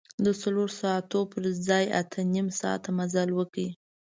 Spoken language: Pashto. د څلور ساعته پر ځای اته نیم ساعته مزل وکړ.